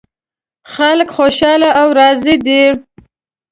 خلک خوشحال او راضي دي